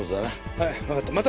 はいわかった。